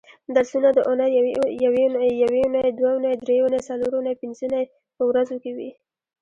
درسونه د اونۍ یونۍ دونۍ درېنۍ څلورنۍ پبنځنۍ په ورځو کې وي